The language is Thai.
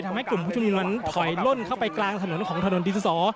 ทำให้กลุ่มผู้ชมนุมนั้นถอยล่นเข้าไปกลางถนนของถนนดินสอ